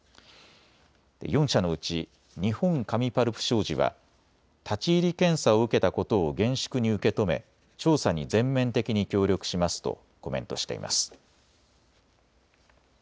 ４社のうち日本紙パルプ商事は立ち入り検査を受けたことを厳粛に受け止め調査に全面的に協力しますとコメントしています。